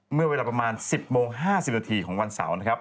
เมื่อเวลาประมาณ๑๐โมง๕๐นาทีของวันเสาร์นะครับ